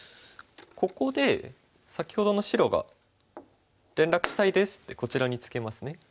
ここで先ほどの白が「連絡したいです」ってこちらにツケますね。